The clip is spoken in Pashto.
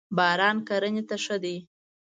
باران کرنی ته ښه دی.